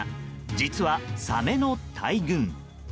実は、サメの大群。